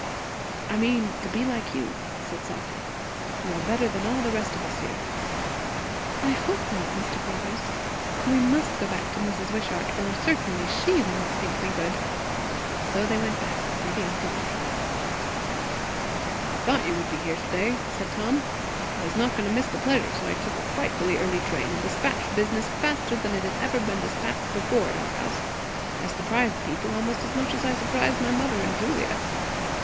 "I mean, to be like you," said he softly. "You are better than all the rest of us here." "I hope not. Mr. Caruthers, we must go back to Mrs. Wishart, or certainly she will not think me good." So they went back, through the empty lunch room. "I thought you would be here to day," said Tom. "I was not going to miss the pleasure; so I took a frightfully early train, and despatched business faster than it had ever been despatched before, at our house. I surprised the people, almost as much as I surprised my mother and Julia.